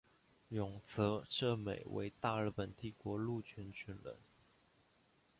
永泽正美为大日本帝国陆军军人。